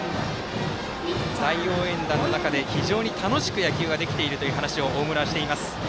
大応援団の中で非常に楽しく野球ができているという話を大村はしています。